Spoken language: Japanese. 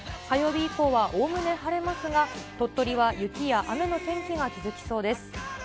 火曜日以降はおおむね晴れますが、鳥取は雪や雨の天気が続きそうです。